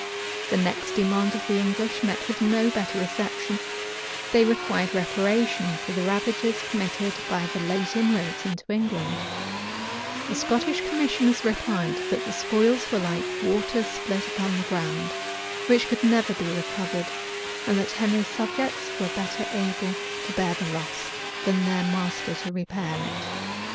The next demand of the English met with no better reception: they required reparation for the ravages committed by the late inroads into England: the Scottish commissioners replied, that the spoils were like water spilt upon the ground, which could never be recovered; and that Henry's subjects were better able to bear the loss, than their master to repair it.